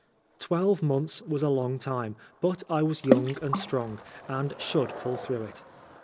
Twelve months was a long time, but I was young and strong, and should pull through it.